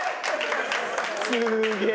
すげえ。